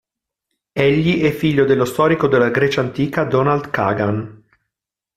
Egli è figlio dello storico della Grecia antica Donald Kagan.